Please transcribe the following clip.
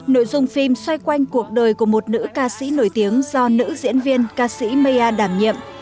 nội dung phim xoay quanh cuộc đời của một nữ ca sĩ nổi tiếng do nữ diễn viên ca sĩ maya đảm nhiệm